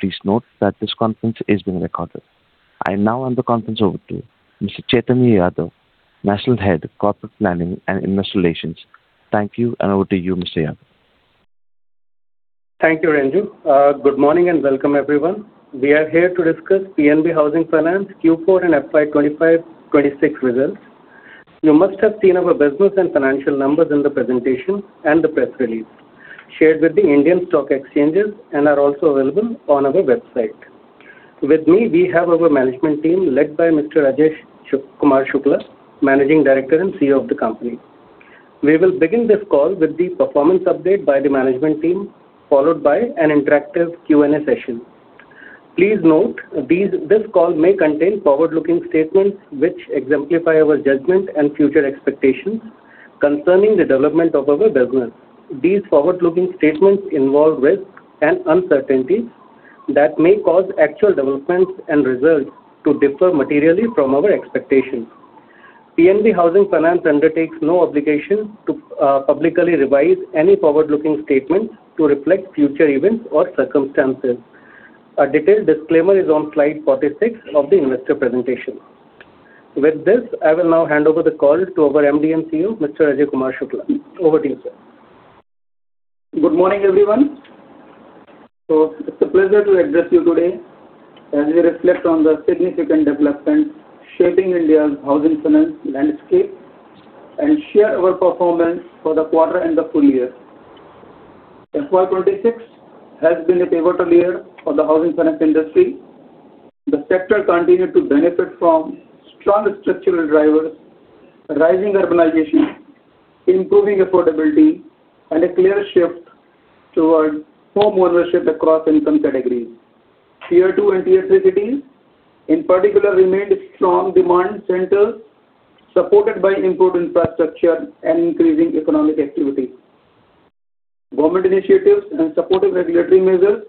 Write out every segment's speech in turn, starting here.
Please note that this conference is being recorded. I now hand the conference over to Mr. Chaitanya Yadav, National Head of Corporate Planning and Investor Relations. Thank you, and over to you, Mr. Yadav. Thank you, Reeju. Good morning, and welcome, everyone. We are here to discuss PNB Housing Finance Q4 and FY 2025/2026 results. You must have seen our business and financial numbers in the presentation and the press release shared with the Indian stock exchanges and are also available on our website. With me, we have our management team led by Mr. Ajai Kumar Shukla, Managing Director and CEO of the company. We will begin this call with the performance update by the management team, followed by an interactive Q&A session. Please note this call may contain forward-looking statements which exemplify our judgment and future expectations concerning the development of our business. These forward-looking statements involve risks and uncertainties that may cause actual developments and results to differ materially from our expectations. PNB Housing Finance undertakes no obligation to publicly revise any forward-looking statements to reflect future events or circumstances. A detailed disclaimer is on slide 46 of the investor presentation. With this, I will now hand over the call to our MD and CEO, Mr. Ajai Kumar Shukla. Over to you, sir. Good morning, everyone. It's a pleasure to address you today as we reflect on the significant developments shaping India's housing finance landscape and share our performance for the quarter and the full year. FY 2026 has been a pivotal year for the housing finance industry. The sector continued to benefit from strong structural drivers, rising urbanization, improving affordability, and a clear shift towards homeownership across income categories. Tier two and tier three cities, in particular, remained strong demand centers, supported by improved infrastructure and increasing economic activity. Government initiatives and supportive regulatory measures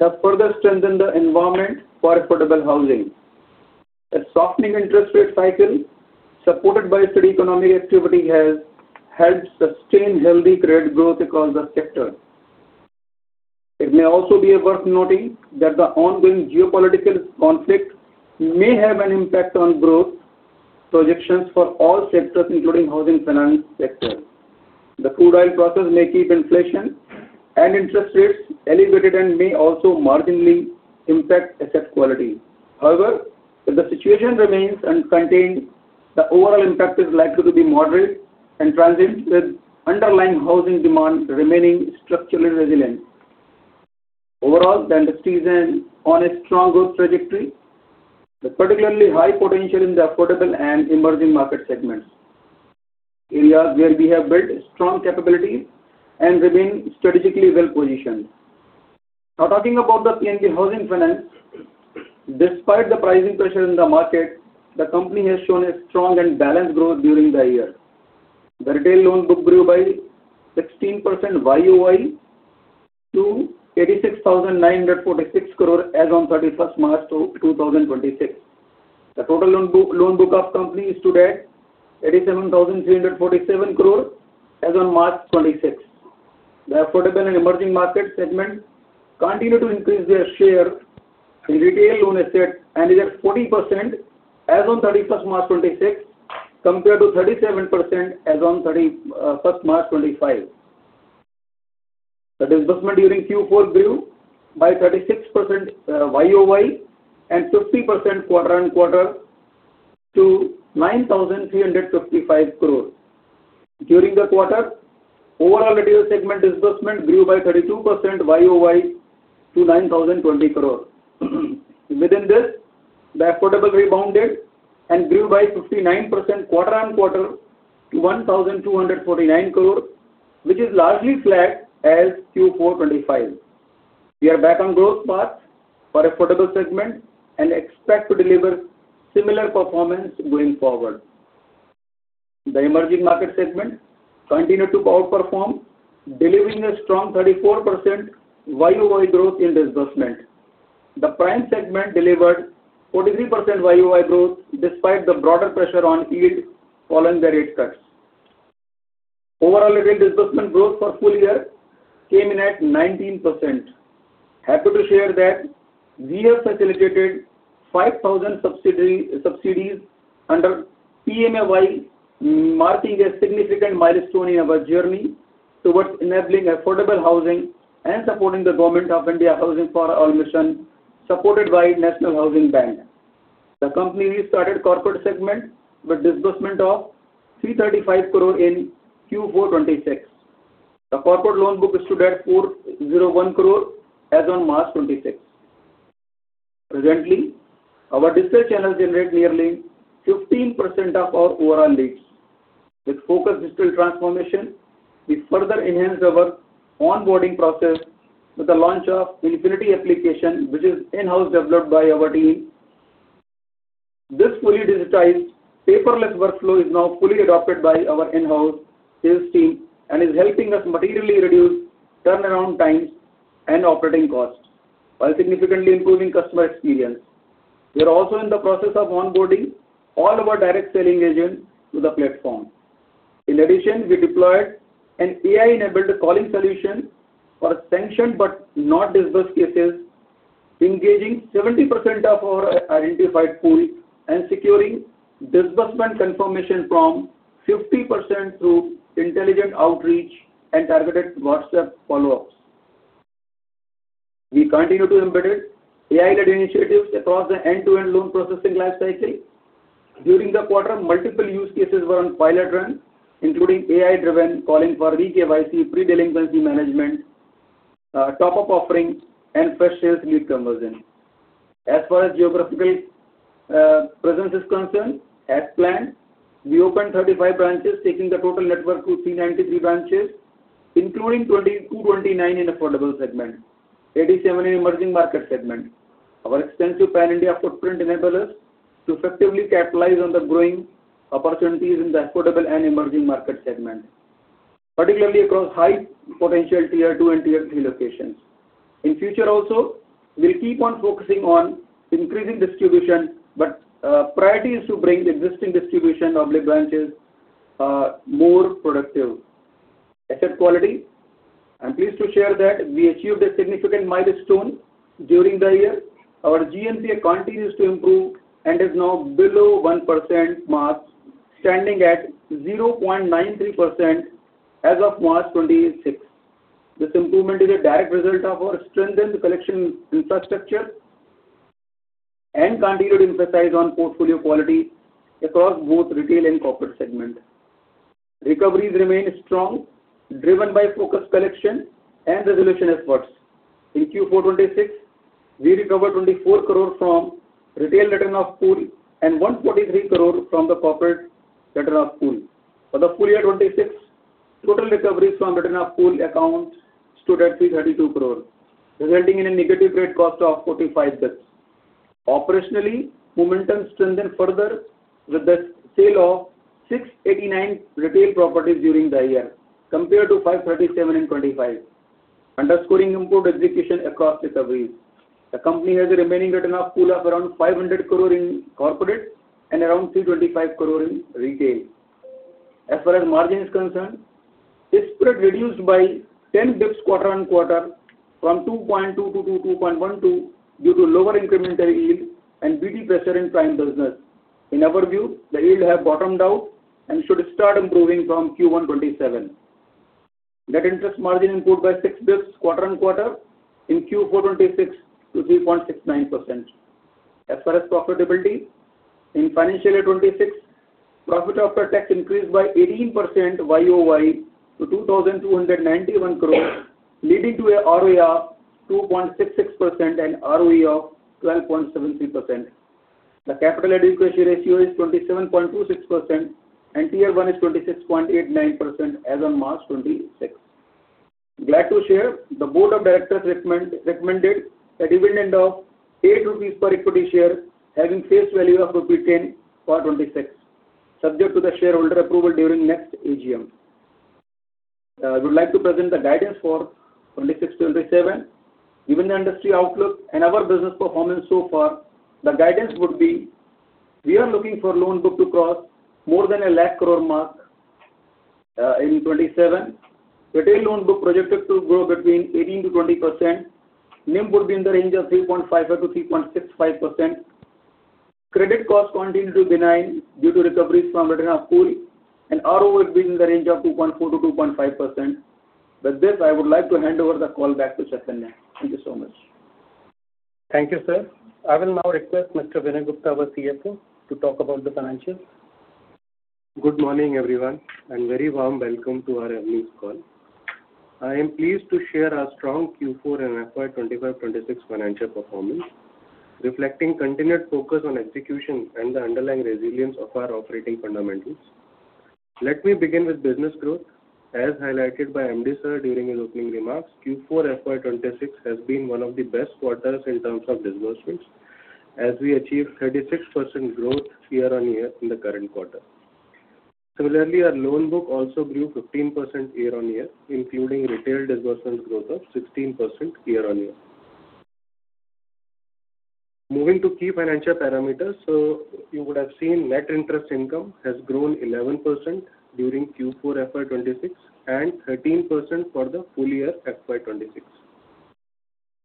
have further strengthened the environment for affordable housing. A softening interest rate cycle, supported by steady economic activity, has helped sustain healthy credit growth across the sector. It may also be worth noting that the ongoing geopolitical conflict may have an impact on growth projections for all sectors, including housing finance sector. The crude oil process may keep inflation and interest rates elevated and may also marginally impact asset quality. However, if the situation remains contained, the overall impact is likely to be moderate and transient, with underlying housing demand remaining structurally resilient. Overall, the industry is on a strong growth trajectory, with particularly high potential in the affordable and emerging market segments, areas where we have built strong capability and remain strategically well-positioned. Now talking about the PNB Housing Finance, despite the pricing pressure in the market, the company has shown a strong and balanced growth during the year. The retail loan book grew by 16% YoY to 86,946 crore as on 31st March 2026. The total loan book of the company stood at 87,347 crore as on March 2026. The affordable and emerging market segment continued to increase their share in retail loan assets and is at 40% as on 31st March 2026, compared to 37% as on 31st March 2025. The disbursement during Q4 grew by 36% YoY and 50% quarter-on-quarter to 9,355 crore. During the quarter, overall retail segment disbursement grew by 32% YoY to 9,020 crore. Within this, the affordable rebounded and grew by 59% quarter-on-quarter to 1,249 crore, which is largely flat as Q4 2025. We are back on growth path for affordable segment and expect to deliver similar performance going forward. The emerging market segment continued to outperform, delivering a strong 34% YoY growth in disbursement. The prime segment delivered 43% YoY growth despite the broader pressure on yield following the rate cuts. Overall retail disbursement growth for full year came in at 19%. Happy to share that we have facilitated 5,000 subsidies under PMAY, marking a significant milestone in our journey towards enabling affordable housing and supporting the government of India's Housing for All mission, supported by National Housing Bank. The company restarted corporate segment with disbursement of 335 crore in Q4 2026. The corporate loan book stood at 401 crore as on March 2026. Presently, our digital channels generate nearly 15% of our overall leads. With focused digital transformation, we further enhanced our onboarding process with the launch of Infinity Application, which is in-house developed by our team. This fully digitized, paperless workflow is now fully adopted by our in-house sales team and is helping us materially reduce turnaround times and operating costs while significantly improving customer experience. We are also in the process of onboarding all our direct selling agents to the platform. In addition, we deployed an AI-enabled calling solution for sanctioned but not disbursed cases, engaging 70% of our identified pool and securing disbursement confirmation from 50% through intelligent outreach and targeted WhatsApp follow-ups. We continue to embed AI-led initiatives across the end-to-end loan processing life cycle. During the quarter, multiple use cases were on pilot run, including AI-driven calling for e-KYC, pre-delinquency management, top-up offerings, and fresh sales lead conversion. As far as geographical presence is concerned, as planned, we opened 35 branches taking the total network to 393 branches, including 229 in affordable segment, 87 in emerging market segment. Our extensive pan-India footprint enable us to effectively capitalize on the growing opportunities in the affordable and emerging market segment, particularly across high potential tier two and tier three locations. In future also, we'll keep on focusing on increasing distribution, but priority is to bring the existing distribution of lead branches more productive. Asset quality. I'm pleased to share that we achieved a significant milestone during the year. Our GNPA continues to improve and is now below 1% mark, standing at 0.93% as of March 2026. This improvement is a direct result of our strengthened collection infrastructure and continued emphasis on portfolio quality across both retail and corporate segment. Recoveries remain strong, driven by focused collection and resolution efforts. In Q4 2026, we recovered 24 crore from retail written-off pool and 143 crore from the corporate written-off pool. For the full year 2026, total recoveries from written-off pool accounts stood at 332 crore, resulting in a negative rate cost of 45 ps. Operationally, momentum strengthened further with the sale of 689 retail properties during the year, compared to 537 in 2025, underscoring improved execution across recoveries. The company has a remaining written-off pool of around 500 crore in corporate and around 325 crore in retail. As far as margin is concerned, this spread reduced by 10 bps quarter-on-quarter from 2.2% to 2.12% due to lower incremental yield and BT pressure in prime business. In our view, the yield have bottomed out and should start improving from Q1 2027. Net interest margin improved by six bps quarter-on-quarter in Q4 2026 to 3.69%. As far as profitability, in financial year 2026, profit after tax increased by 18% YoY to 2,291 crore, leading to a ROA of 2.66% and ROE of 12.73%. The capital adequacy ratio is 27.26%, and tier one is 26.89% as of March 2026. Glad to share, the board of directors recommended a dividend of 8 rupees per equity share, having face value of INR 10 for FY 2026, subject to the shareholder approval during next AGM. I would like to present the guidance for 2026/2027. Given the industry outlook and our business performance so far, the guidance would be, we are looking for loan book to cross more than 1 lakh crore mark in 2027. Retail loan book projected to grow between 18%-20%. NIM would be in the range of 3.5%-3.65%. Credit cost continue to decline due to recoveries from written-off pool, and ROE will be in the range of 2.4%-2.5%. With this, I would like to hand over the call back to Chaitanya. Thank you so much. Thank you, sir. I will now request Mr. Vinay Gupta, our CFO, to talk about the financials. Good morning, everyone, and very warm welcome to our earnings call. I am pleased to share our strong Q4 and FY 2025/2026 financial performance, reflecting continued focus on execution and the underlying resilience of our operating fundamentals. Let me begin with business growth. As highlighted by MD sir during his opening remarks, Q4 FY 2026 has been one of the best quarters in terms of disbursements, as we achieved 36% growth year-on-year in the current quarter. Similarly, our loan book also grew 15% year-on-year, including retail disbursements growth of 16% year-on-year. Moving to key financial parameters. You would have seen net interest income has grown 11% during Q4 FY 2026 and 13% for the full year FY 2026.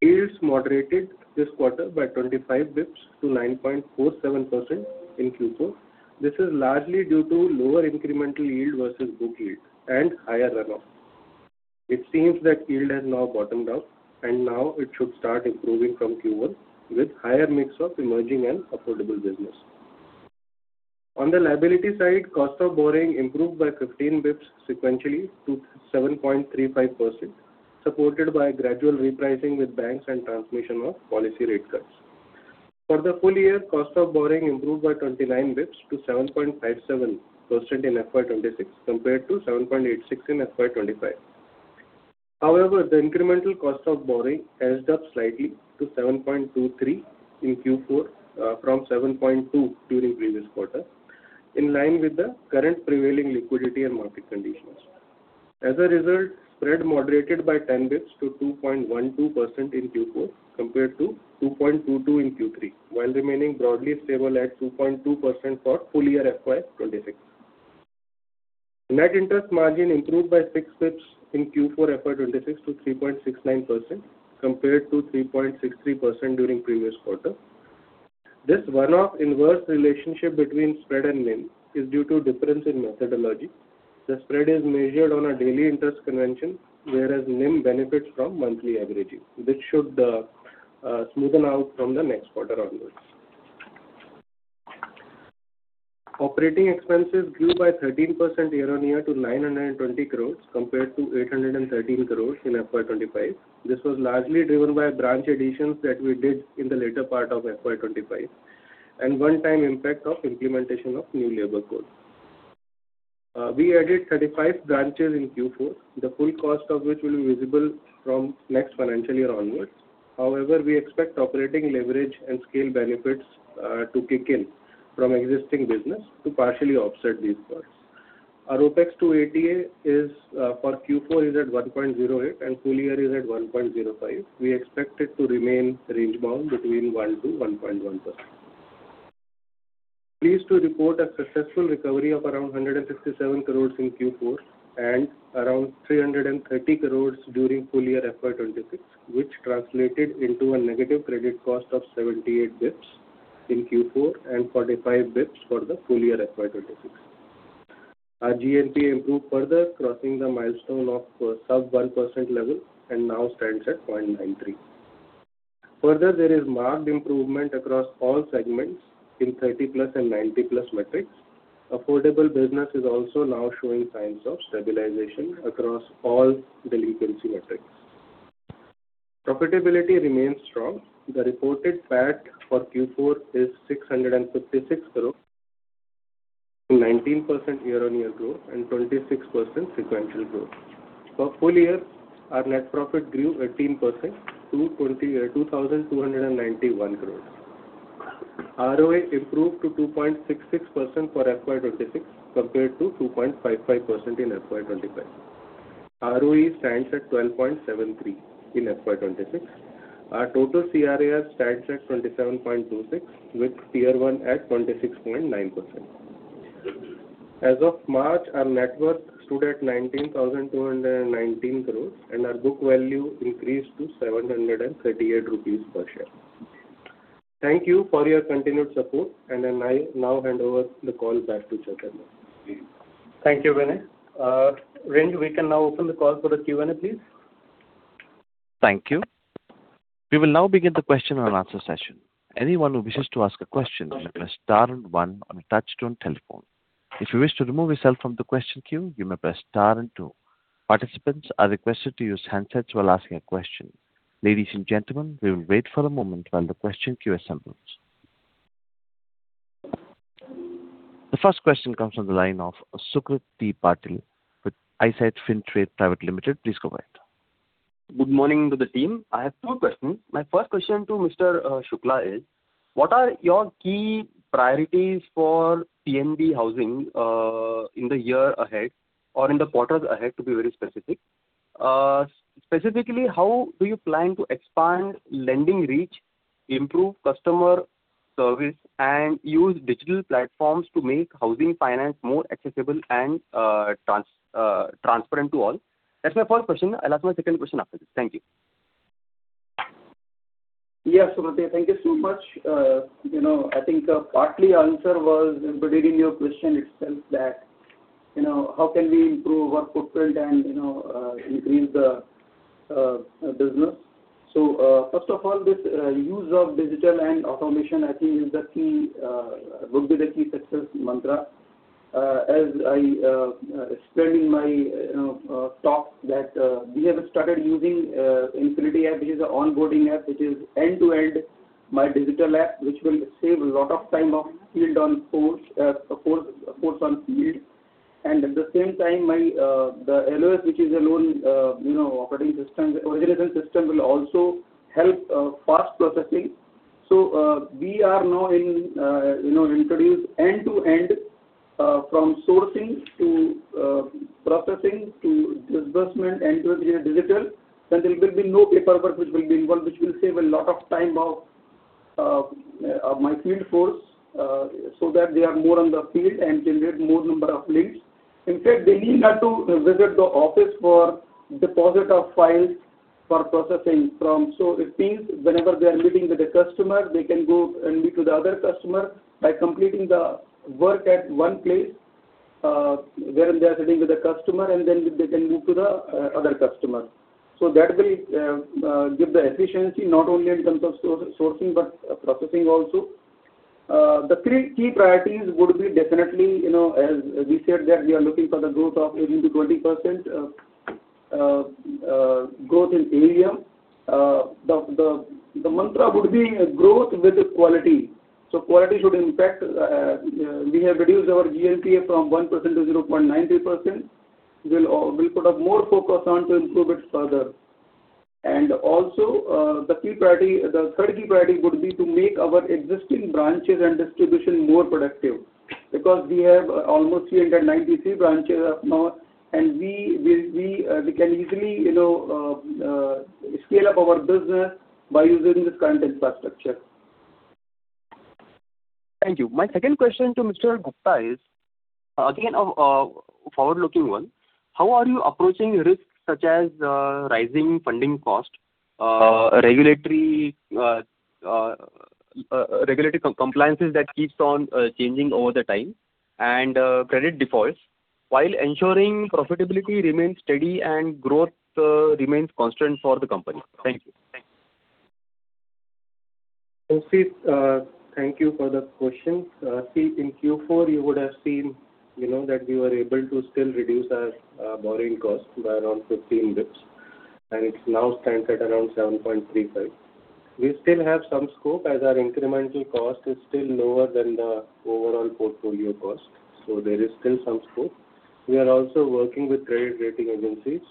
Yields moderated this quarter by 25 bps to 9.47% in Q4. This is largely due to lower incremental yield versus book yield and higher runoff. It seems that yield has now bottomed out and now it should start improving from Q1 with higher mix of emerging and affordable business. On the liability side, cost of borrowing improved by 15 bps sequentially to 7.35%, supported by gradual repricing with banks and transmission of policy rate cuts. For the full year, cost of borrowing improved by 29 bps to 7.57% in FY 2026, compared to 7.86% in FY 2025. However, the incremental cost of borrowing edged up slightly to 7.23 in Q4 from 7.2 during previous quarter, in line with the current prevailing liquidity and market conditions. As a result, spread moderated by 10 bps to 2.12% in Q4 compared to 2.22% in Q3, while remaining broadly stable at 2.2% for full year FY 2026. Net interest margin improved by six bps in Q4 FY 2026 to 3.69% compared to 3.63% during the previous quarter. This one-off inverse relationship between spread and NIM is due to difference in methodology. The spread is measured on a daily interest convention, whereas NIM benefits from monthly averages, which should smoothen out from the next quarter onwards. Operating expenses grew by 13% year-on-year to 920 crore, compared to 813 crore in FY 2025. This was largely driven by branch additions that we did in the later part of FY 2025, and a one-time impact of implementation of New Labour Codes. We added 35 branches in Q4, the full cost of which will be visible from next financial year onwards. However, we expect operating leverage and scale benefits to kick in from existing business to partially offset these costs. Our OpEx to ATA for Q4 is at 1.08 and full year is at 1.05. We expect it to remain range-bound between 1%-1.1%. Pleased to report a successful recovery of around 157 crore in Q4 and around 330 crore during full year FY 2026, which translated into a negative credit cost of 78 bps in Q4 and 45 bps for the full year FY 2026. Our GNPA improved further, crossing the milestone of sub-1% level and now stands at 0.93%. Further, there is marked improvement across all segments in 30+ and 90+ metrics. Affordable business is also now showing signs of stabilization across all delinquency metrics. Profitability remains strong. The reported PAT for Q4 is 656 crore, 19% year-over-year growth, and 26% sequential growth. For full year, our net profit grew 18% to 2,291 crore. ROA improved to 2.66% for FY 2026 compared to 2.55% in FY 2025. ROE stands at 12.73% in FY 2026. Our total CRAR stands at 27.26% with Tier 1 at 26.9%. As of March, our net worth stood at 19,219 crores, and our book value increased to 738 rupees per share. Thank you for your continued support, and I now hand over the call back to Chaitanya. Thank you, Vinay. Ran, we can now open the call for the Q&A, please. Thank you. We will now begin the question and answer session. Anyone who wishes to ask a question may press star and one on a touchtone telephone. If you wish to remove yourself from the question queue, you may press star and two. Participants are requested to use handsets while asking a question. Ladies and gentlemen, we will wait for a moment while the question queue assembles. The first question comes from the line of Sucrit D. Patil with Eyesight Fintrade Private Limited. Please go ahead. Good morning to the team. I have two questions. My first question to Mr. Shukla is, what are your key priorities for PNB Housing in the year ahead or in the quarters ahead, to be very specific? Specifically, how do you plan to expand lending reach, improve customer service, and use digital platforms to make housing finance more accessible and transparent to all? That's my first question. I'll ask my second question after this. Thank you. Yes, Sucrit. Thank you so much. I think partial answer was embedded in your question itself as to how we can improve our footprint and increase the business. First of all, this use of digital and automation I think would be the key success mantra. As I explained in my talk that we have started using Infinity app, which is an onboarding app, which is end-to-end digital app, which will save a lot of time of force on field. At the same time, the LOS, which is a loan origination system, will also help fast processing. We are now introducing end-to-end from sourcing to processing to disbursement, end-to-end digital. There will be no paperwork which will be involved, which will save a lot of time of my field force so that they are more on the field and generate more number of leads. In fact, they need not to visit the office for deposit of files for processing from. It means whenever they are meeting with a customer, they can go and meet with the other customer by completing the work at one place where they are sitting with a customer and then they can move to the other customer. That will give the efficiency not only in terms of sourcing, but processing also. The three key priorities would be definitely, as we said that we are looking for the growth of 18%-20% growth in AUM. The mantra would be growth with quality. Quality should impact. We have reduced our GNPA from 1%-0.93%. We'll put more focus on to improve it further. Also, the third key priority would be to make our existing branches and distribution more productive because we have almost 393 branches as of now, and we can easily scale up our business by using this current infrastructure. Thank you. My second question to Mr. Gupta is, again, a forward-looking one. How are you approaching risks such as rising funding cost, regulatory compliances that keeps on changing over time, and credit defaults while ensuring profitability remains steady and growth remains constant for the company? Thank you. Sucrit, thank you for the question. See, in Q4, you would have seen that we were able to still reduce our borrowing cost by around 15 bps, and it now stands at around 7.35. We still have some scope as our incremental cost is still lower than the overall portfolio cost, so there is still some scope. We are also working with credit rating agencies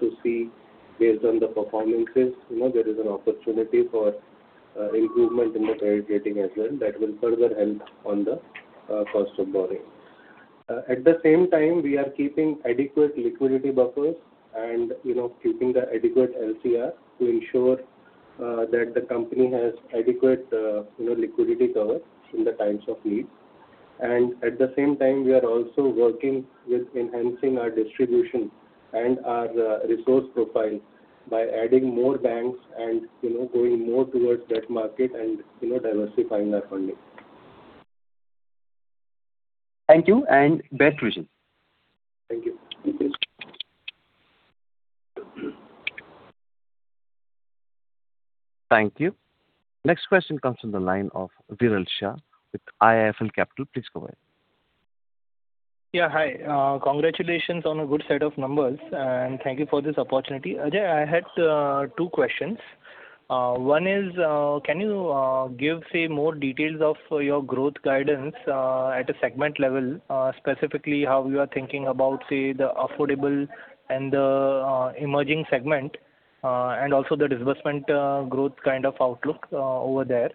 to see based on the performances, there is an opportunity for improvement in the credit rating as well that will further help on the cost of borrowing. At the same time, we are keeping adequate liquidity buffers and keeping the adequate LCR to ensure that the company has adequate liquidity cover in the times of need. At the same time, we are also working on enhancing our distribution and our resource profile by adding more banks and going more towards that market and diversifying our funding. Thank you, and best wishes. Thank you. Thank you. Thank you. Next question comes from the line of Viral Shah with IIFL Capital. Please go ahead. Yeah, hi. Congratulations on a good set of numbers, and thank you for this opportunity. Ajai, I had two questions. One is, can you give, say, more details of your growth guidance at a segment level, specifically how you are thinking about, say, the affordable and the emerging segment, and also the disbursement growth kind of outlook over there.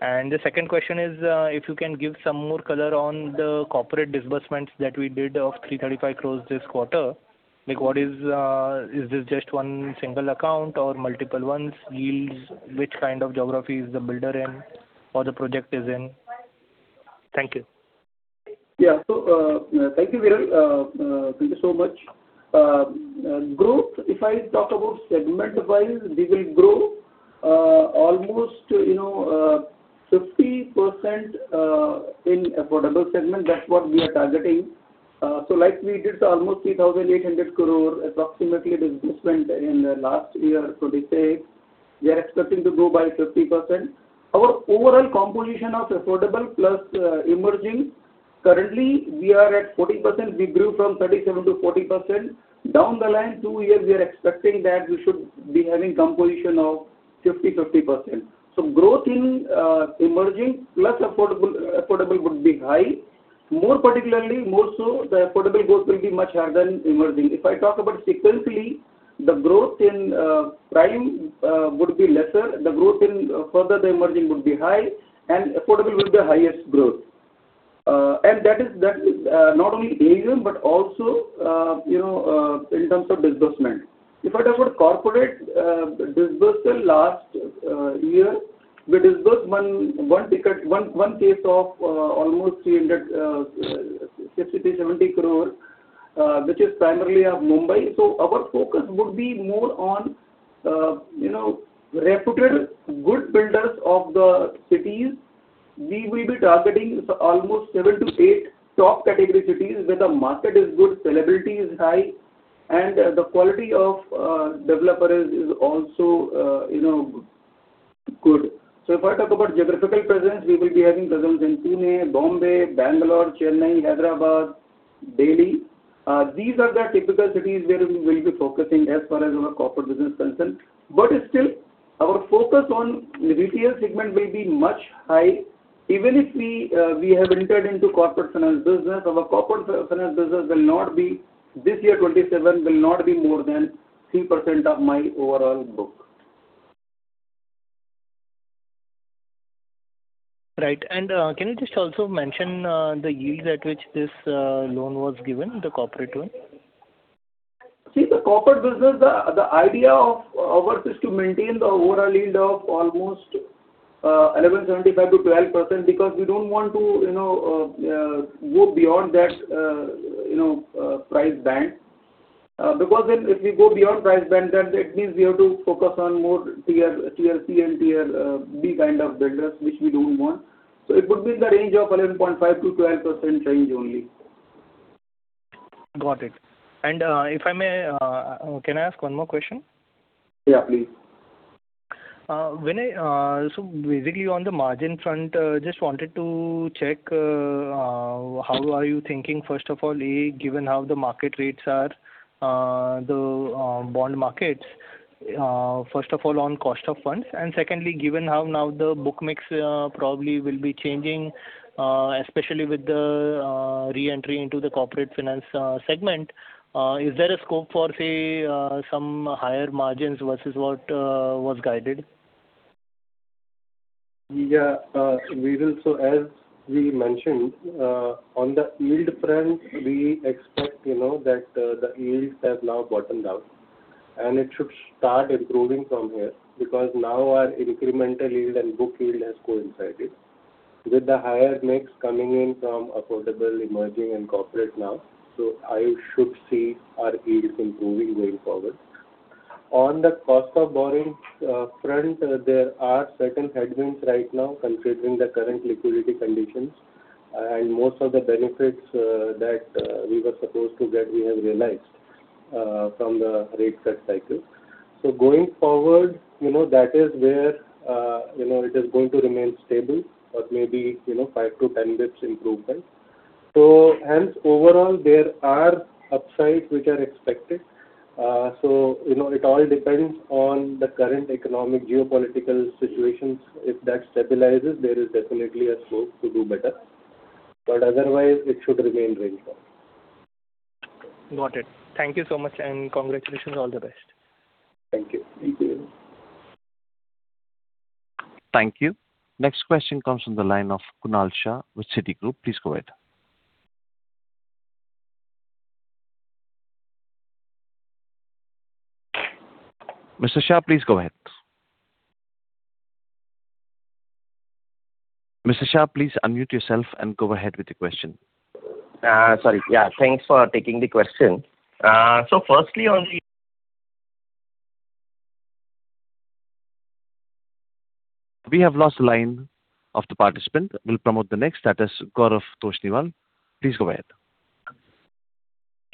The second question is, if you can give some more color on the corporate disbursements that we did of 335 crore this quarter. Is this just one single account or multiple ones? Yields? Which kind of geography is the builder in or the project is in? Thank you. Yeah. Thank you, Viral. Thank you so much. Growth, if I talk about segment-wise, we will grow almost 50% in affordable segment. That's what we are targeting. Like we did almost 3,800 crore approximately disbursement in the last year, so let's say we are expecting to grow by 50%. Our overall composition of affordable plus emerging, currently we are at 40%. We grew from 37%-40%. Down the line two years, we are expecting that we should be having composition of 50/50 percent. Growth in emerging plus affordable would be high. More particularly, more so the affordable growth will be much higher than emerging. If I talk about sequentially, the growth in prime would be lesser, the growth in the emerging would be high, and affordable will be the highest growth. That is not only area, but also in terms of disbursement. If I talk about corporate disbursal last year, we dispersed one case of almost 360-370 crore, which is primarily of Mumbai. Our focus would be more on reputed good builders of the cities. We will be targeting almost seven to eight top category cities where the market is good, sellability is high, and the quality of developer is also good. If I talk about geographical presence, we will be having presence in Pune, Bombay, Bangalore, Chennai, Hyderabad, Delhi. These are the typical cities where we will be focusing as far as our corporate business is concerned. Still our focus on the retail segment will be much high. Even if we have entered into corporate finance business, our corporate finance business, this year 2027 will not be more than 3% of my overall book. Right. Can you just also mention the yields at which this loan was given, the corporate one? See the corporate business, the idea of ours is to maintain the overall yield of almost 11.75%-12% because we don't want to go beyond that price band. Because if we go beyond price band, that means we have to focus on more Tier C and Tier B kind of builders, which we don't want. It would be in the range of 11.5%-12% range only. Got it. If I may, can I ask one more question? Yeah, please. Basically on the margin front, just wanted to check, how are you thinking, first of all, given how the market rates are, the bond markets, first of all on cost of funds? Secondly, given how now the book mix probably will be changing, especially with the re-entry into the corporate finance segment, is there a scope for, say, some higher margins versus what was guided? Yeah. As we mentioned, on the yield front, we expect that the yields have now bottomed out, and it should start improving from here because now our incremental yield and book yield has coincided with the higher mix coming in from affordable, emerging, and corporate now. I should see our yields improving going forward. On the cost of borrowing front, there are certain headwinds right now considering the current liquidity conditions, and most of the benefits that we were supposed to get, we have realized from the rate cut cycle. Going forward, that is where it is going to remain stable or maybe five to 10 bps improvement. Hence, overall, there are upsides which are expected. It all depends on the current economic geopolitical situations. If that stabilizes, there is definitely a scope to do better. Otherwise, it should remain range bound. Got it. Thank you so much, and congratulations. All the best. Thank you. Thank you. Thank you. Next question comes from the line of Kunal Shah with Citigroup. Please go ahead. Mr. Shah, please go ahead. Mr. Shah, please unmute yourself and go ahead with your question. Sorry. Yeah, thanks for taking the question. Firstly, on the. We have lost the line of the participant. We'll promote the next. That is Gaurav Toshniwal. Please go ahead.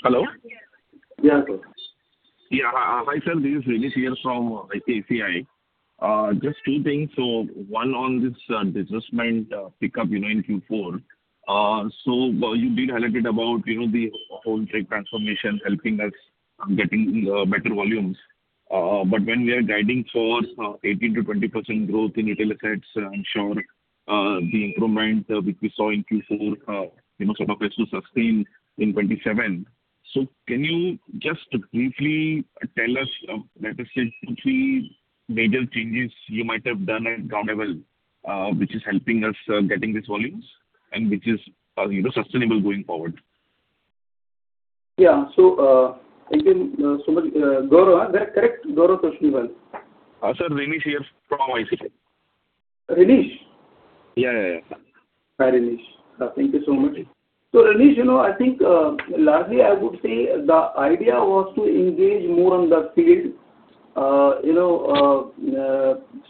Hello? Yeah. Yeah. Hi, sir. This is Renish here from ICICI. Just two things. One on this business mix pickup in Q4. You did highlight it about the whole digital transformation helping us getting better volumes. When we are guiding for 18%-20% growth in retail assets, I'm sure the improvement which we saw in Q4 sort of has to sustain in 2027. Can you just briefly tell us, let us say, two, three major changes you might have done at ground level, which is helping us getting these volumes and which is sustainable going forward? Yeah. Again, Sumit. Gaurav, correct? Gaurav Toshniwal. Sir, Renish here from ICICI. Renish? Yeah. Hi, Renish. Thank you so much. Rinesh, I think, largely, I would say the idea was to engage more on the field.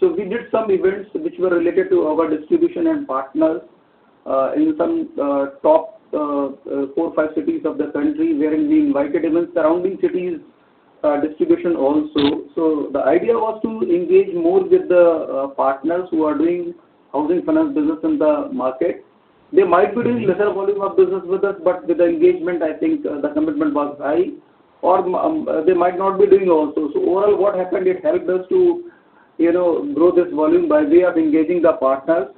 We did some events which were related to our distribution and partners, in some top four, five cities of the country, wherein we invited even surrounding cities distribution also. The idea was to engage more with the partners who are doing housing finance business in the market. They might be doing lesser volume of business with us, but with the engagement, I think, the commitment was high, or they might not be doing also. Overall, what happened, it helped us to grow this volume by way of engaging the partners.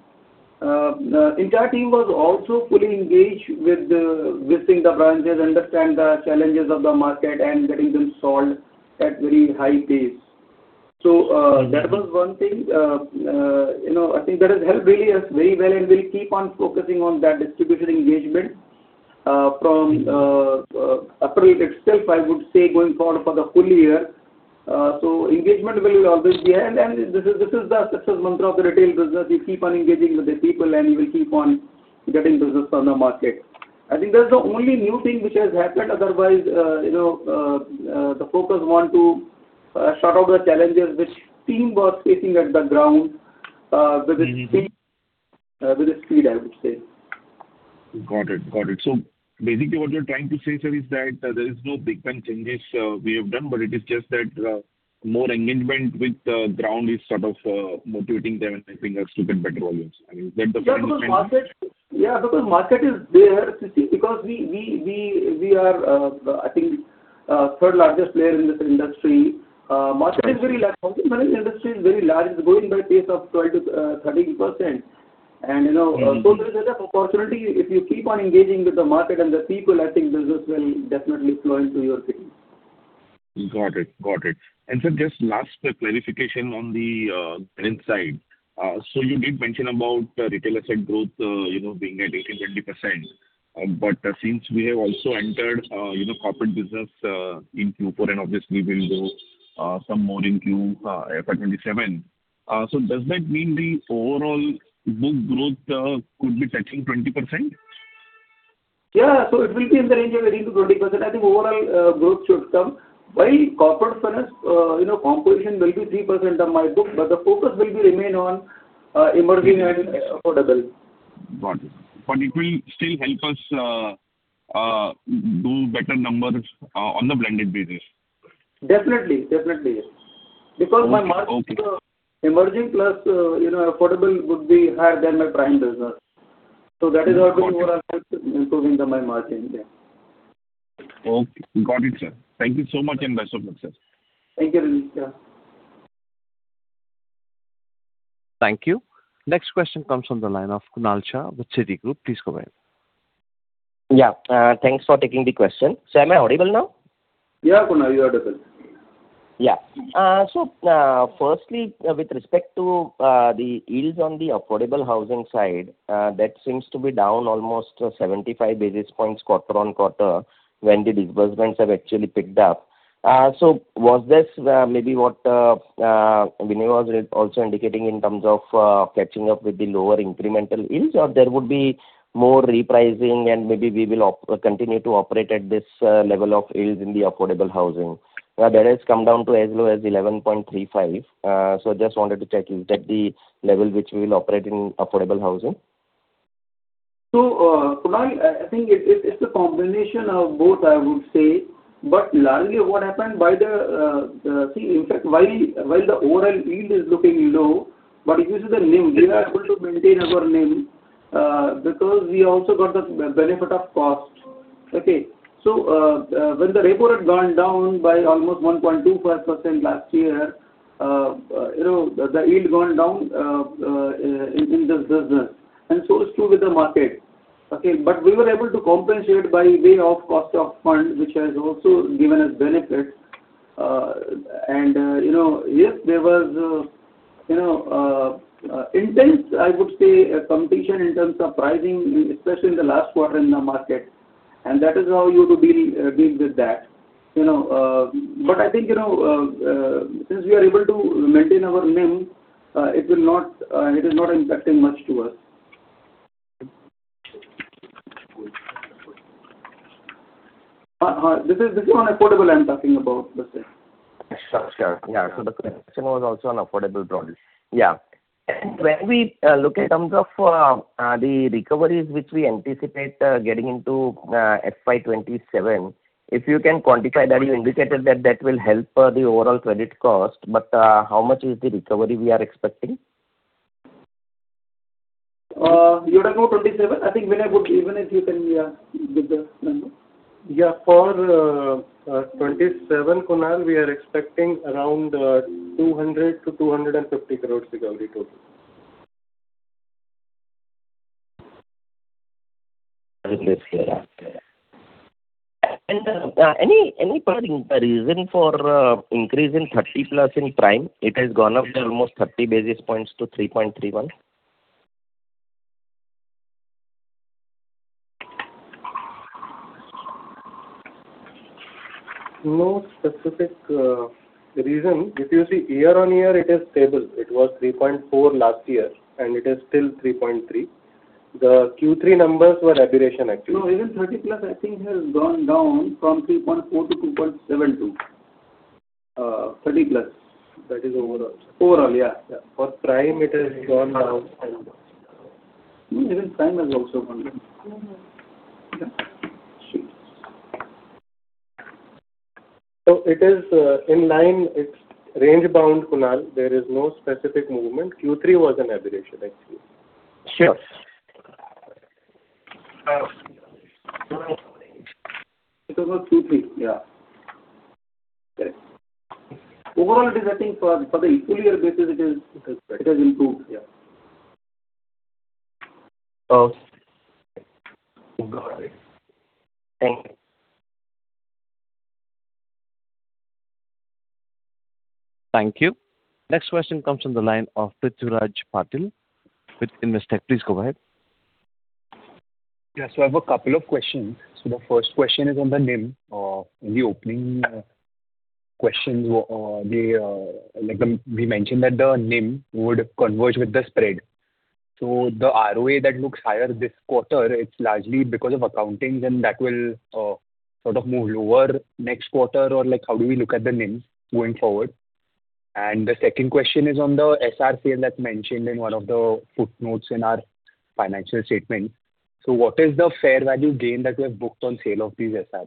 Entire team was also fully engaged with visiting the branches, understand the challenges of the market, and getting them solved at very high pace. That was one thing. I think that has helped really us very well, and we'll keep on focusing on that distributor engagement from April itself, I would say, going forward for the full year. Engagement will always be, and this is the success mantra of the retail business. You keep on engaging with the people, and you will keep on getting business from the market. I think that's the only new thing which has happened. Otherwise, the focus on to sort out the challenges which team was facing at the ground with the speed, I would say. Got it. Basically what you're trying to say, sir, is that there is no big time changes we have done, but it is just that more engagement with the ground is sort of motivating them and helping us to get better volumes. I mean, is that the- Yeah, because market is there, because we are, I think, third largest player in this industry. Housing finance industry is very large, growing by a pace of 12%-13%. There is an opportunity if you keep on engaging with the market and the people, I think business will definitely flow into your team. Got it. Sir, just last clarification on the NIM side. You did mention about retail asset growth being at 18%-20%. Since we have also entered corporate business in Q4, and obviously we'll do some more in Q1 FY 2027, does that mean the overall book growth could be touching 20%? Yeah. It will be in the range of 18%-20%. I think overall growth should come. While corporate finance composition will be 3% of my book, but the focus will remain on emerging and affordable. Got it. It will still help us do better numbers on the blended basis. Definitely. Because my market, emerging plus affordable would be higher than my prime business. That is how the overall helps improving my margin. Yeah. Okay. Got it, sir. Thank you so much, and best of luck, sir. Thank you, Renish. Thank you. Next question comes from the line of Kunal Shah with Citigroup. Please go ahead. Yeah. Thanks for taking the question. Sir, am I audible now? Yeah, Kunal, you're audible. Yeah. Firstly, with respect to the yields on the affordable housing side, that seems to be down almost 75 bps quarter-on-quarter when the disbursements have actually picked up. Was this maybe what Vinay was also indicating in terms of catching up with the lower incremental yields or there would be more repricing and maybe we will continue to operate at this level of yields in the affordable housing? That has come down to as low as 11.35%. Just wanted to check, is that the level which we'll operate in affordable housing? Kunal, I think it's a combination of both, I would say. Largely what happened, in fact, while the overall yield is looking low, but if you see the NIM, we were able to maintain our NIM because we also got the benefit of cost. Okay. When the repo had gone down by almost 1.25% last year, the yield gone down in this business and so is true with the market. Okay. We were able to compensate by way of cost of funds, which has also given us benefits. Yes, there was intense, I would say, competition in terms of pricing, especially in the last quarter in the market. That is how you deal with that. I think, since we are able to maintain our NIM, it is not impacting much to us. This is on affordable I'm talking about, sir. Sure. Yeah. The question was also on affordable products. Yeah. When we look in terms of the recoveries which we anticipate getting into FY 2027, if you can quantify that, you indicated that will help the overall credit cost. How much is the recovery we are expecting? You were talking about 27? I think, Vinay, even if you can give the number. Yeah. For 27, Kunal, we are expecting around 200 crore-250 crore recovery total. In this year. Okay. Any particular reason for increase in 30+ in prime? It has gone up by almost 30 basis points to 3.31%. No specific reason. If you see year-on-year, it is stable. It was 3.4% last year, and it is still 3.3%. The Q3 numbers were aberration actually. No, even 30+, I think, has gone down from 3.4% to 2.72%. 30+. That is overall. Overall, yeah. Yeah. For prime, it has gone down. Even prime has also gone down. Yeah. Sure. It is in line. It's range-bound, Kunal. There is no specific movement. Q3 was an aberration, actually. Sure. It was on Q3. Yeah. Okay. Overall, I think for the full year basis it has improved. Yeah. Oh. Got it. Thank you. Thank you. Next question comes from the line of Prithviraj Patil with Investec. Please go ahead. Yes, I have a couple of questions. The first question is on the NIM. In the opening questions, we mentioned that the NIM would converge with the spread. The ROA that looks higher this quarter, it's largely because of accounting, then that will sort of move lower next quarter, or how do we look at the NIM going forward? The second question is on the SR sale that's mentioned in one of the footnotes in our financial statement. What is the fair value gain that we've booked on sale of these SRs?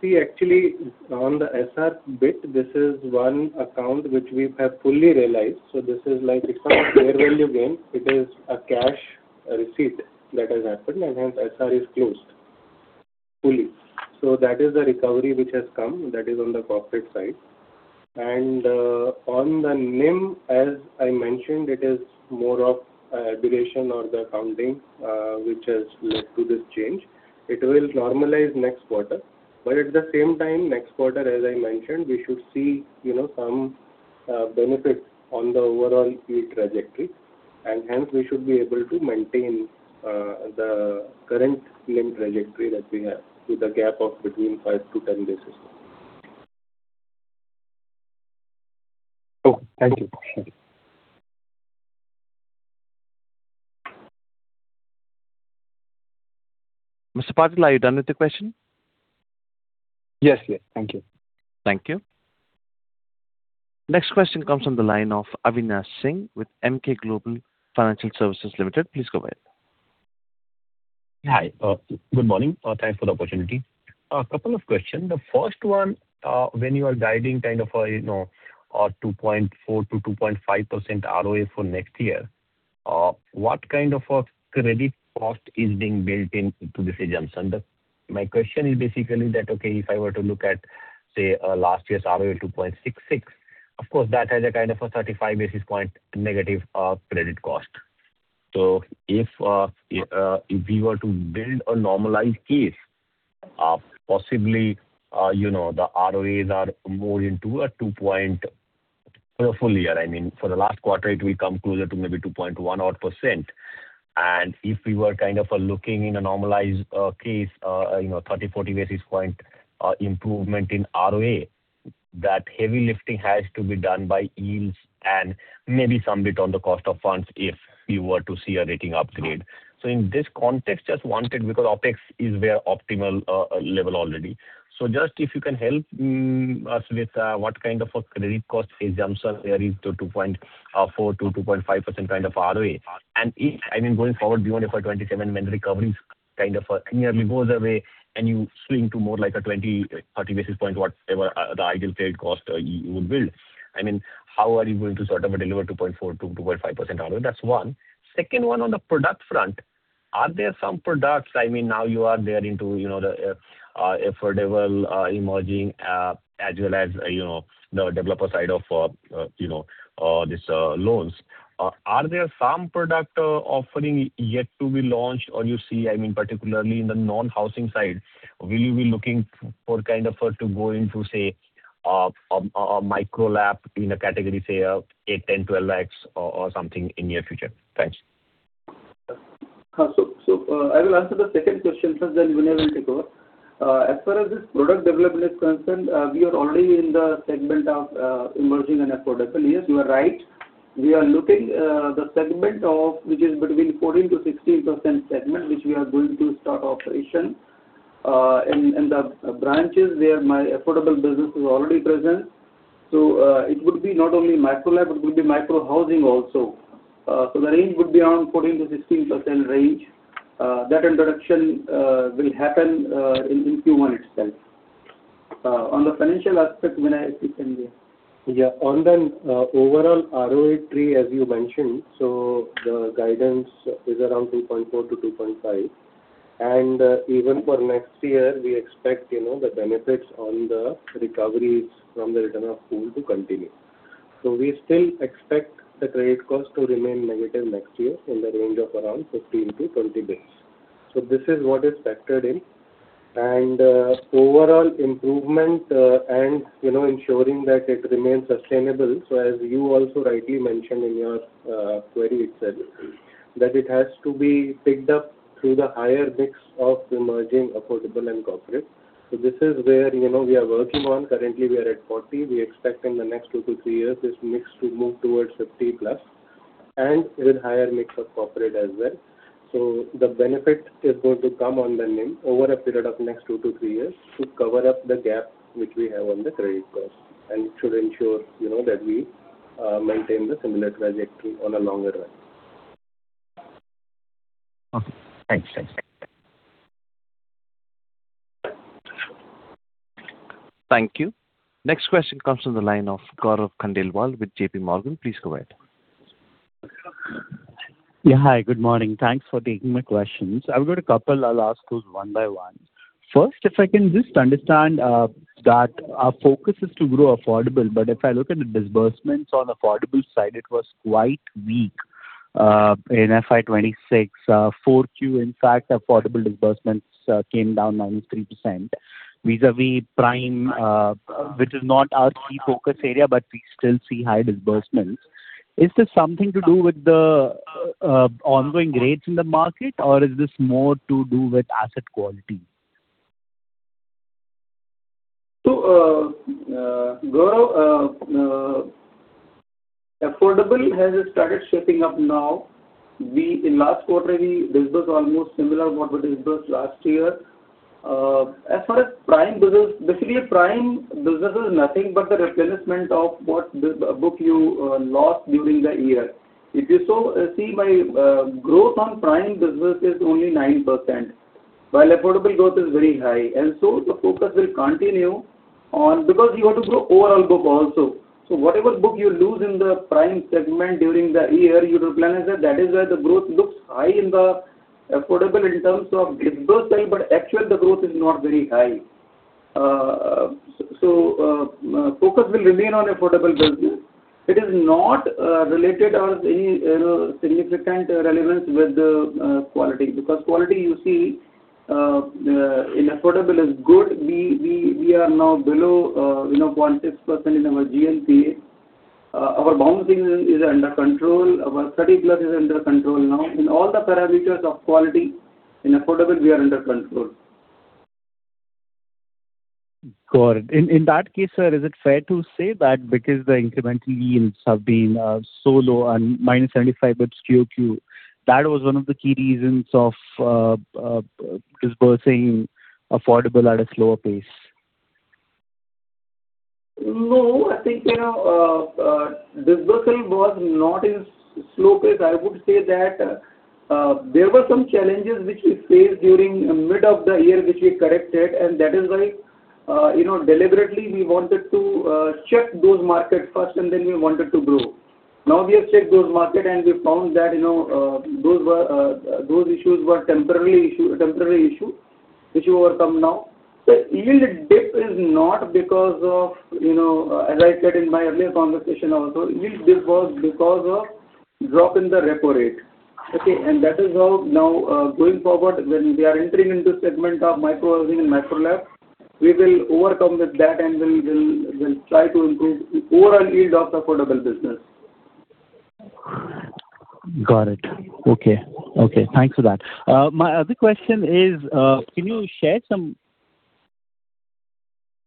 See, actually, on the SR bit, this is one account which we have fully realized. This is like it's not a fair value gain, it is a cash receipt that has happened, and hence SR is closed fully. That is the recovery which has come. That is on the profit side. On the NIM, as I mentioned, it is more of aberration or the accounting which has led to this change. It will normalize next quarter. At the same time, next quarter, as I mentioned, we should see some benefits on the overall yield trajectory, and hence we should be able to maintain the current NIM trajectory that we have with a gap of between five to 10 basis. Okay. Thank you. Mr. Patil, are you done with the question? Yes. Thank you. Thank you. Next question comes from the line of Avinash Singh with Emkay Global Financial Services Limited. Please go ahead. Hi. Good morning. Thanks for the opportunity. A couple of questions. The first one, when you are guiding kind of a 2.4%-2.5% ROA for next year, what kind of a credit cost is being built into this assumption? My question is basically that, okay, if I were to look at, say, last year's ROA 2.66%. Of course, that has a kind of a 35 basis point negative credit cost. If we were to build a normalized case of possibly the ROAs are more into a 2%. For a full year, I mean. For the last quarter, we come closer to maybe 2.1 odd%. If we were kind of looking in a normalized case, 30-40 basis points improvement in ROA, that heavy lifting has to be done by yields and maybe some bit on the cost of funds if we were to see a rating upgrade. In this context, just wanted, because OpEx is their optimal level already. Just if you can help us with what kind of a credit cost assumption there is to 2.4%-2.5% kind of ROA. If, going forward beyond FY 2027, when recoveries kind of nearly goes away and you swing to more like a 20-30 basis points, whatever the ideal credit cost you would build. I mean, how are you going to sort of deliver 2.4%-2.5% ROA? That's one. Second one on the product front, are there some products, I mean, now you are there into the affordable emerging as well as the developer side of these loans. Are there some product offering yet to be launched or you see, particularly in the non-housing side, will you be looking for kind of to go into, say, a micro-LAP in a category, say, eight, 10, 12x or something in near future? Thanks. I will answer the second question first, then Vinay will take over. As far as this product development is concerned, we are already in the segment of emerging and affordable. Yes, you are right. We are looking at the segment of which is between 14%-16% segment, which we are going to start operation in the branches where my affordable business is already present. It would be not only micro-LAP, it would be micro housing also. The range would be around 14%-16% range. That introduction will happen in Q1 itself. On the financial aspect, Vinay, you can. Yeah. On the overall ROA trajectory, as you mentioned, so the guidance is around 2.4%-2.5%. Even for next year, we expect the benefits on the recoveries from the return of pool to continue. We still expect the credit cost to remain negative next year in the range of around 15-20 bps. This is what is factored in. Overall improvement and ensuring that it remains sustainable, so as you also rightly mentioned in your query itself, that it has to be picked up through the higher mix of emerging, affordable, and corporate. This is where we are working on. Currently we are at 40%. We expect in the next two to three years this mix to move towards 50+ and with higher mix of corporate as well. The benefit is going to come on the NIM over a period of next two to three years to cover up the gap which we have on the credit cost and should ensure that we maintain the similar trajectory on a longer run. Okay. Thanks. Thank you. Next question comes from the line of Gaurav Khandelwal with JPMorgan. Please go ahead. Yeah. Hi, good morning. Thanks for taking my questions. I've got a couple, I'll ask those one by one. First, if I can just understand that our focus is to grow affordable, but if I look at the disbursements on affordable side, it was quite weak in FY 2026 Q4. In fact, affordable disbursements came down 93%. Vis-à-vis prime which is not our key focus area, but we still see high disbursements. Is this something to do with the ongoing rates in the market or is this more to do with asset quality? Gaurav, affordable has started shaping up now. In last quarter, we disbursed almost similar what we disbursed last year. As far as prime business, basically a prime business is nothing but the replenishment of what book you lost during the year. If you see my growth on prime business is only 9%, while affordable growth is very high. The focus will continue on because you want to grow overall book also. Whatever book you lose in the prime segment during the year, you replenish that. That is why the growth looks high in the affordable in terms of disbursement, but actual the growth is not very high. Focus will remain on affordable business. It is not related or any significant relevance with the quality because quality you see in affordable is good. We are now below 0.6% in our GNPA. Our bouncing is under control. Our 30+ is under control now. In all the parameters of quality in affordable, we are under control. Got it. In that case, sir, is it fair to say that because the incremental yields have been so low and -75 bps QoQ, that was one of the key reasons of disbursing affordable at a slower pace? No, I think disbursement was not in slow pace. I would say that there were some challenges which we faced during mid of the year, which we corrected, and that is why deliberately we wanted to check those markets first, and then we wanted to grow. Now we have checked those markets and we found that those issues were temporary issues which you overcome now. The yield dip is not because of, as I said in my earlier conversation also, yield dip was because of drop in the repo rate. Okay? That is how now, going forward, when we are entering into segment of micro housing and micro-LAP, we will overcome with that, and we'll try to improve overall yield of affordable business. Got it. Okay. Thanks for that. My other question is,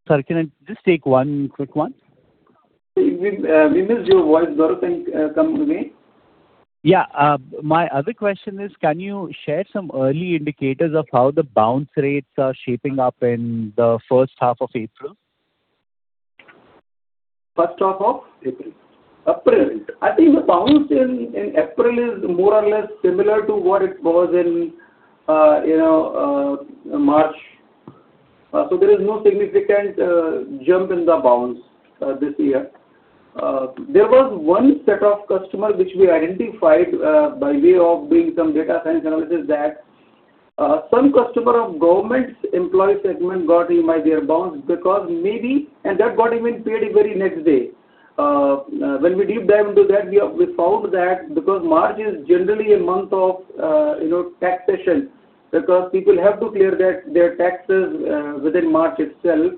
sorry, can I just take one quick one? We missed your voice, Gaurav. Can you come to me? Yeah. My other question is, can you share some early indicators of how the bounce rates are shaping up in the first half of April? First half of? April. April. I think the bounce in April is more or less similar to what it was in March. There is no significant jump in the bounce this year. There was one set of customers which we identified by way of doing some data science analysis that, some customer of government's employee segment got impacted by their bounce, and that got even paid very next day. When we deep dived into that, we found that because March is generally a month of taxation, because people have to clear their taxes within March itself.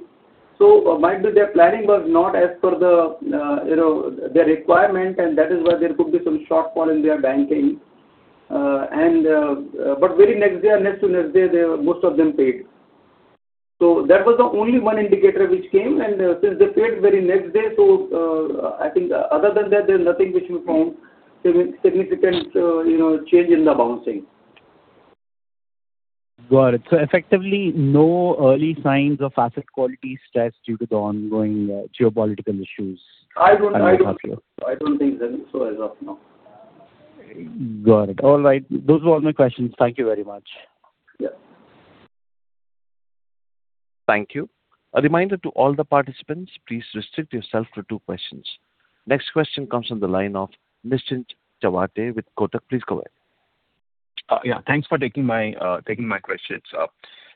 Might be their planning was not as per their requirement, and that is why there could be some shortfall in their banking. But very next day or next to next day, most of them paid. That was the only one indicator which came, and since they paid very next day. I think other than that, there's nothing which we found significant change in the bouncing. Got it. Effectively, no early signs of asset quality stress due to the ongoing geopolitical issues. I don't think so as of now. Got it. All right. Those were all my questions. Thank you very much. Yeah. Thank you. A reminder to all the participants, please restrict yourself to two questions. Next question comes from the line of Nischint Chawathe with Kotak. Please go ahead. Yeah. Thanks for taking my questions.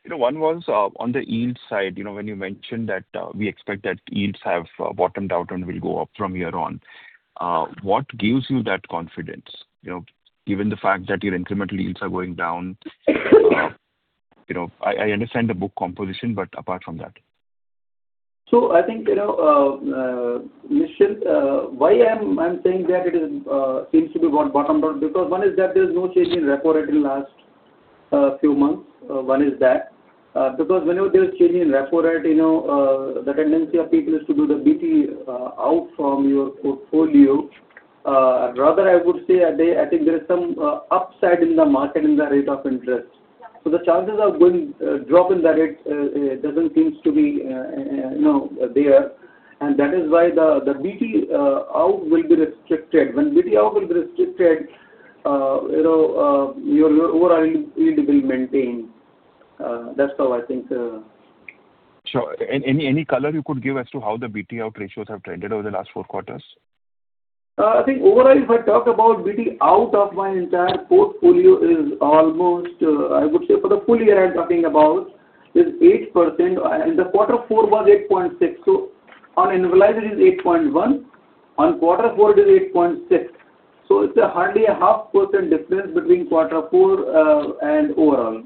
One was on the yield side, when you mentioned that we expect that yields have bottomed out and will go up from here on. What gives you that confidence? Given the fact that your incremental yields are going down. I understand the book composition, but apart from that. I think, Nischint, why I'm saying that it seems to be bottomed out, because one is that there's no change in repo rate in last few months. Because whenever there's change in repo rate, the tendency of people is to do the BT out from your portfolio. Rather, I would say, I think there is some upside in the market in the rate of interest. The chances of drop in the rate doesn't seems to be there. That is why the BT out will be restricted. When BT out will be restricted, your overall yield will maintain. That's how I think. Sure. Any color you could give as to how the BT out ratios have trended over the last four quarters? I think overall, if I talk about BT out of my entire portfolio is almost, I would say, for the full year I'm talking about, is 8%, and the quarter four was 8.6%. So on annualized it is 8.1%, on quarter four it is 8.6%. So it's hardly a 0.5% difference between quarter four and overall.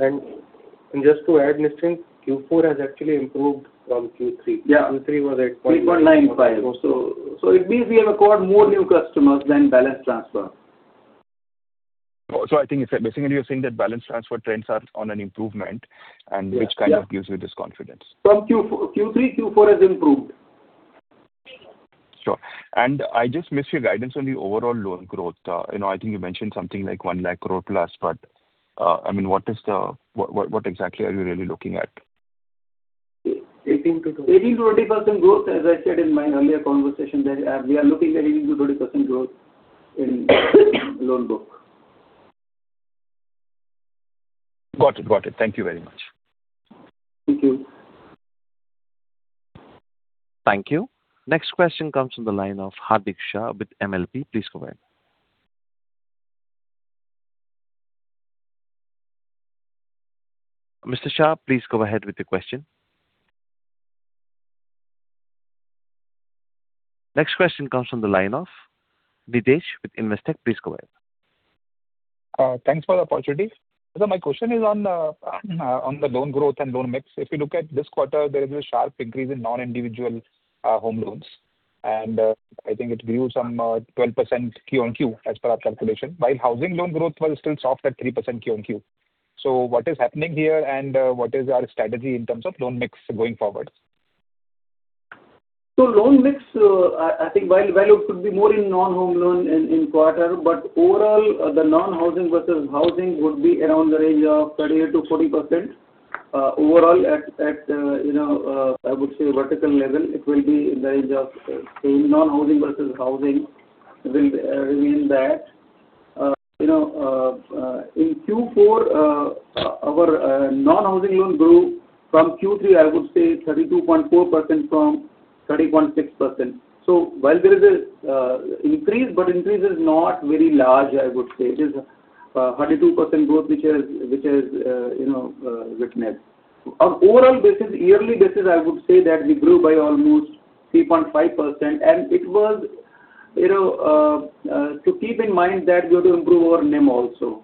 Just to add, Nischint, Q4 has actually improved from Q3 Yeah. Q3 was eight. 8.95. It means we have acquired more new customers than balance transfer. I think, basically you're saying that balance transfer trends are on an improvement. Yeah which kind of gives you this confidence. From Q3, Q4 has improved. Sure. I just missed your guidance on the overall loan growth. I think you mentioned something like 1 lakh crore plus, but what exactly are you really looking at? 18%-20% growth, as I said in my earlier conversation there, we are looking at 18%-20% growth in loan book. Got it. Thank you very much. Thank you. Thank you. Next question comes from the line of Hardik Shah with KMP Securities. Please go ahead. Mr. Shah, please go ahead with your question. Next question comes from the line of Nidesh Jain with Investec. Please go ahead. Thanks for the opportunity. My question is on the loan growth and loan mix. If you look at this quarter, there is a sharp increase in non-individual home loans, and I think it grew some 12% QoQ as per our calculation, while housing loan growth was still soft at 3% QoQ. What is happening here, and what is our strategy in terms of loan mix going forward? Loan mix, I think while value could be more in non-home loan in quarter, but overall, the non-housing versus housing would be around the range of 38%-40%. Overall at, I would say vertical level, it will be in the range of say non-housing versus housing will remain that. In Q4, our non-housing loan grew from Q3, I would say 32.4% from 30.6%. While there is an increase, but increase is not very large, I would say. It is 102% growth which is witnessed. On overall basis, yearly basis, I would say that we grew by almost 3.5%. To keep in mind that we have to improve our NIM also.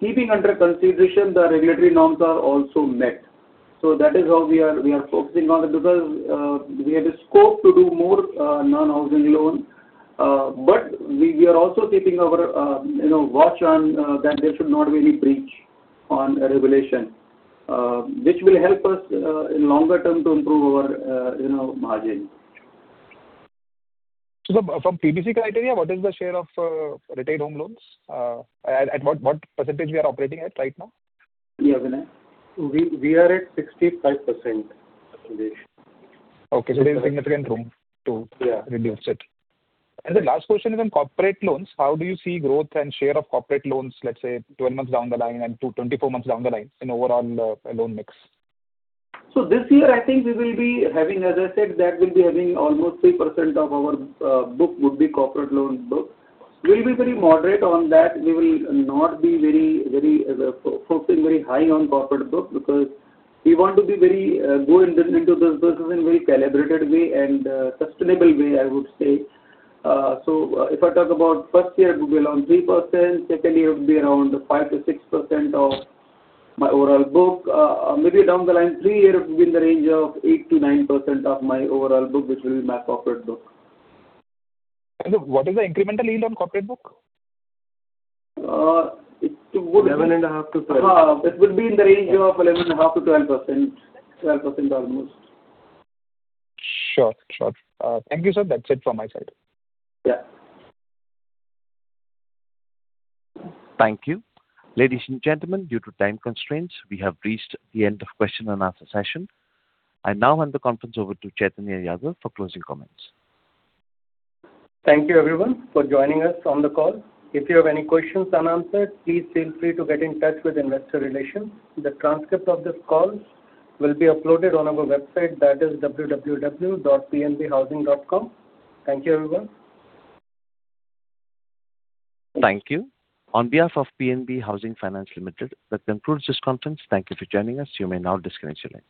Keeping under consideration the regulatory norms are also met. That is how we are focusing on it because we have the scope to do more non-housing loan. We are also keeping our watch on that there should not be any breach on regulation, which will help us in longer term to improve our margin. From PSL criteria, what is the share of retained home loans? At what percentage we are operating at right now? Yeah, Vinay. We are at 65%, Nidesh. Okay. There's significant room to. Yeah. Reduce it. The last question is on corporate loans. How do you see growth and share of corporate loans, let's say, 12 months down the line and to 24 months down the line in overall loan mix? This year, I think we will be having, as I said, that we'll be having almost 3% of our book would be corporate loan book. We'll be very moderate on that. We will not be focusing very high on corporate book because we want to go into this business in very calibrated way and sustainable way, I would say. If I talk about first year, it would be around 3%, second year would be around 5%-6% of my overall book. Maybe down the line three year it would be in the range of 8%-9% of my overall book, which will be my corporate book. What is the incremental yield on corporate book? It would- 11.5-12. It would be in the range of 11.5%-12% almost. Sure. Thank you, sir. That's it from my side. Yeah. Thank you. Ladies and gentlemen, due to time constraints, we have reached the end of question and answer session. I now hand the conference over to Chaitanya Yadav for closing comments. Thank you everyone for joining us on the call. If you have any questions unanswered, please feel free to get in touch with Investor Relations. The transcript of this call will be uploaded on our website that is www.pnbhousing.com. Thank you, everyone. Thank you. On behalf of PNB Housing Finance Limited, that concludes this conference. Thank you for joining us. You may now disconnect your lines.